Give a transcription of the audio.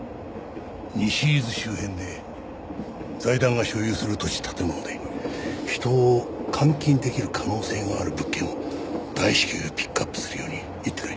西伊豆周辺で財団が所有する土地建物で人を監禁出来る可能性のある物件を大至急ピックアップするように言ってくれ。